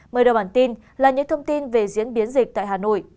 mời đưa bản tin là những thông tin về diễn biến dịch tại hà nội